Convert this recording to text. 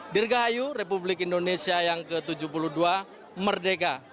dirgahayu republik indonesia yang ke tujuh puluh dua merdeka